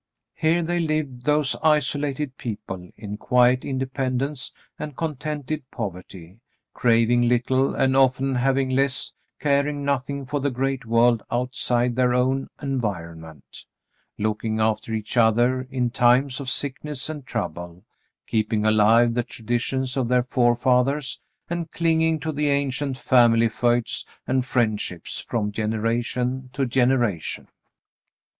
Here they lived, those isolated people, in quiet inde pendence and contented poverty, craving little and often having less, caring nothing for the great world outside their own environment, looking after each other in times of sickness and trouble^ keeping alive the traditions of their forefathers, and clinging to the ancient family feuds and friendships from generation to generation.